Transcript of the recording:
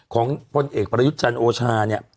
ของพลเอ็กซ์ประยุทธ์จันทร์โอชา